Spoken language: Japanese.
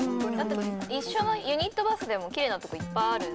一緒のユニットバスでも奇麗なとこいっぱいある。